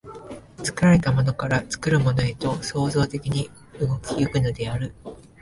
作られたものから作るものへと創造的に動き行くのである。